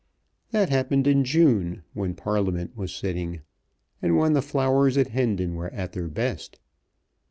That happened in June, when Parliament was sitting, and when the flowers at Hendon were at their best.